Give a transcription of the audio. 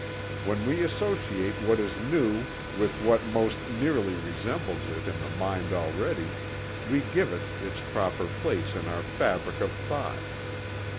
When we associate what is new with what most nearly resembles it in the mind already, we give it its proper place in our fabric of thought.